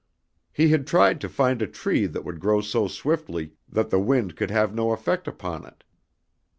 He had tried to find a tree that would grow so swiftly that the wind could have no effect upon it.